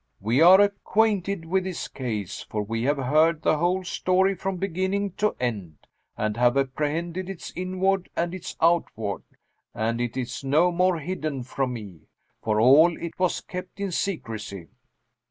We are acquainted with his case, for we have heard the whole story from beginning to end, and have apprehended its inward and its outward; and it is no more hidden from me, for all it was kept in secrecy."